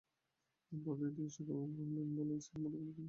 পরদিন তিনি ফোন করবেন বলে স্ত্রীর মুঠোফোনে খুদে বার্তা পাঠালেও ফোন করেননি।